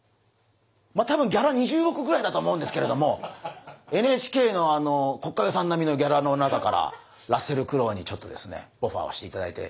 まあたぶんギャラ２０億ぐらいだと思うんですけれどもＮＨＫの国家予算並みのギャラの中からラッセル・クロウにちょっとですねオファーをしていただいて。